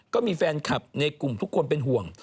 ก็มีแฟนคลับในกลุ่มทุกคนเป็นห่วง